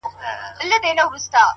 • زما په غزل کي لکه شمع هره شپه لګېږې ,